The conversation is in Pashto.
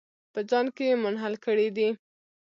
په ځان کې یې منحل کړي دي.